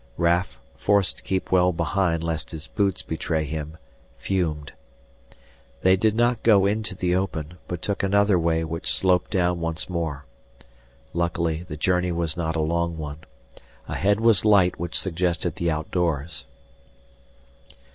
Raf, forced to keep well behind lest his boots betray him, fumed. They did not go into the open, but took another way which sloped down once more. Luckily the journey was not a long one. Ahead was light which suggested the outdoors.